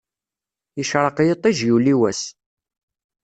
Yecṛeq yiṭṭij yuli wass.